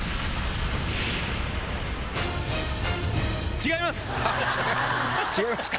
違いますか。